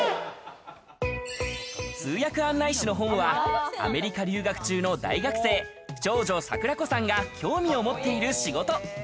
通訳案内士の本は、アメリカ留学中の大学生、長女・桜子さんが興味を持っている仕事。